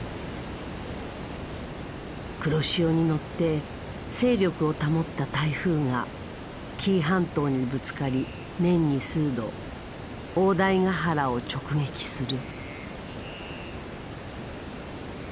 黒潮に乗って勢力を保った台風が紀伊半島にぶつかり年に数度大台ヶ原を直撃する。